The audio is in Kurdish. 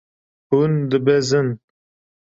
Hûn dibezin.